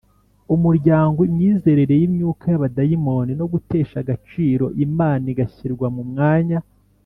umuryango imyizerere y’imyuka y’abadayimoni no gutesha agaciro imana igashyirwa mu mwanya